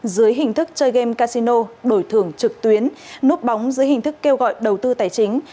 dưới hình thức chơi game casino đổi thưởng trực tuyến núp bóng dưới hình thức kêu gọi đầu tư tài chính